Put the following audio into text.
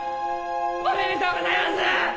おめでとうございます！